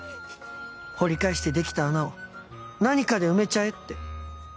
掘り返して出来た穴を何かで埋めちゃえって。